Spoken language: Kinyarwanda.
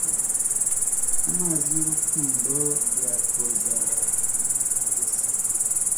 amazi y'urukundo yatwoza.guhumeka ijosi